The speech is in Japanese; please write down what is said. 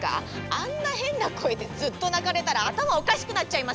あんな変な声でずっと鳴かれたら頭おかしくなっちゃいますよ！